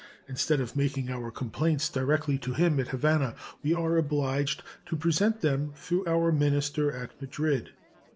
Instead of making our complaints directly to him at Havana, we are obliged to present them through our minister at Madrid.